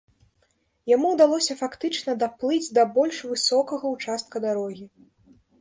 Яму ўдалося фактычна даплыць да больш высокага ўчастка дарогі.